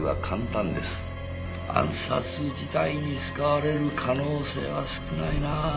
暗殺自体に使われる可能性は少ないなあ。